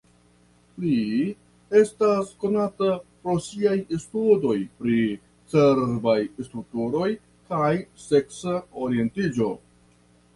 Li estas konata pro siaj studoj pri cerbaj strukturoj kaj seksa orientiĝo.